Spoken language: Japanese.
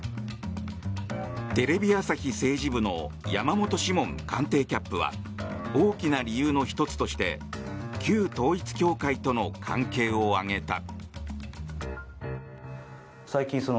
テレビ朝日政治部の山本志門官邸キャップは大きな理由の１つとして旧統一教会との関係を挙げた。